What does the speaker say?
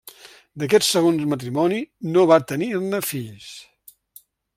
D'aquest segons matrimoni no va tenir-ne fills.